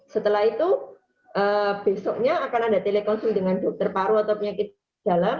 setelah itu besoknya akan ada telekonsul dengan dokter paru atau penyakit dalam